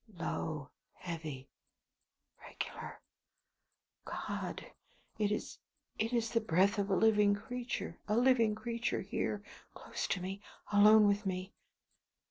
Low; heavy; regular. God! it is it is the breath of a living creature! A living creature! here close to me alone with me!